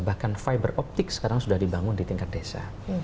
bahkan fiber optik sekarang sudah dibangun di tingkat desa